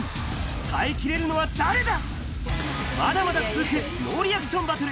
耐えきれるのは誰だ？